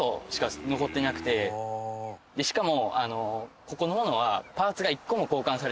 しかも。